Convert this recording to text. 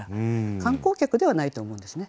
観光客ではないと思うんですね。